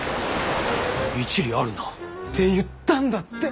一理あるな。って言ったんだって。